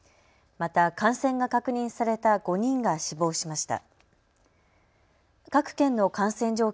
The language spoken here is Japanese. また感染が確認された５人が死亡しました。